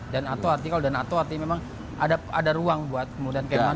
dan atau artinya kalau dan atau artinya memang ada ruang buat kemudian km han